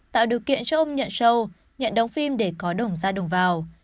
tạo điều kiện cho ông nhận show nhận đóng phim để có đồng ra đồng vào